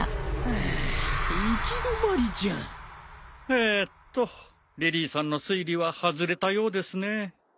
えーっとリリィさんの推理は外れたようですね。